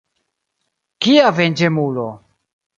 Kia venĝemulo!